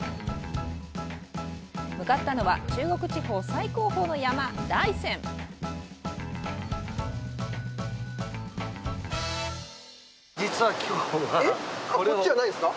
向かったのは中国地方最高峰の山・大山実は今日はこれをこっちじゃないんですか？